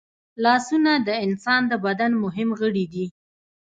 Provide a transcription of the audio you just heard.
لاسونه د انسان د بدن مهم غړي دي